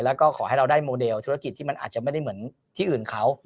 แล้วก็ขอให้เราได้โมเดลธุรกิจที่มันอาจจะไม่ได้เหมือนที่อื่นเขา